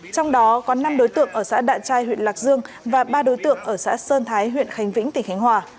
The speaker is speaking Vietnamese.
trong đó có năm đối tượng ở xã đạ trai huyện lạc dương và ba đối tượng ở xã sơn thái huyện khánh vĩnh tỉnh khánh hòa